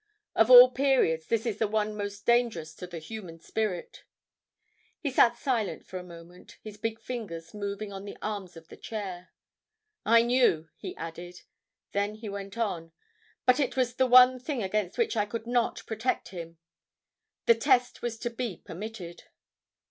Of all periods this is the one most dangerous to the human spirit." He sat silent for a moment, his big fingers moving on the arms of the chair. "I knew," he added. Then he went on: "But it was the one thing against which I could not protect him. The test was to be permitted."